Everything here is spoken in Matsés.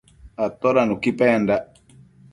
Atoda nuqui pendac?